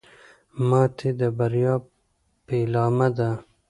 ماتې د بریا پیلامه ده.